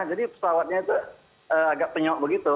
jadi pesawatnya itu agak penyok begitu